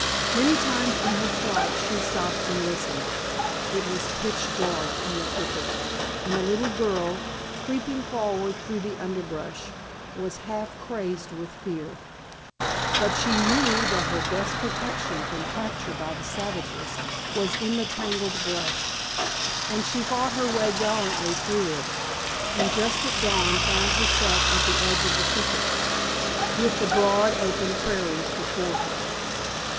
Many times in her flight she stopped and listened. It was pitch dark in the thicket, and the little girl, creeping forward through the underbrush, was half crazed with fear. But she knew that her best protection from capture by the savages was in the tangled brush, and she fought her way gallantly through it, and just at dawn found herself at the edge of the thicket, with the broad, open prairies before her.